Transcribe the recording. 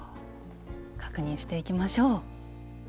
確認していきましょう！